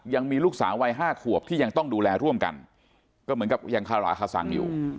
ยังมีลูกสาววัย๕ขวบที่ยังต้องดูแลร่วมกันก็เหมือนกับยังคาราคาสังอยู่